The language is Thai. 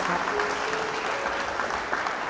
ขอต้อนรับครอบครัวของโต๊ะอาจากกรุงเทพมหานครครับ